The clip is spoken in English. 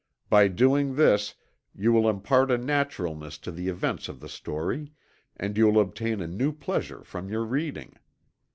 By doing this you will impart a naturalness to the events of the story and you will obtain a new pleasure from your reading.